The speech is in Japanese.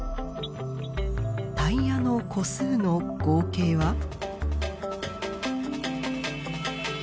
タイヤの個数の合計は？